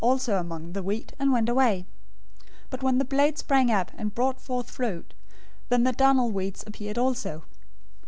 } also among the wheat, and went away. 013:026 But when the blade sprang up and brought forth fruit, then the darnel weeds appeared also.